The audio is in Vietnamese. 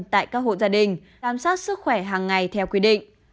tại các hộ gia đình giám sát sức khỏe hàng ngày theo quy định